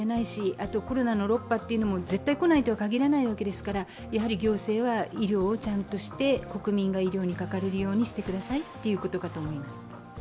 あとコロナの６波も絶対来ないとはかぎらないものですから行政は医療をちゃんとして国民が医療かかれるようにしてくださいということです。